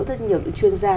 rất nhiều những chuyên gia